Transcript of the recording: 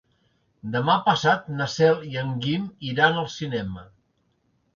Demà passat na Cel i en Guim iran al cinema.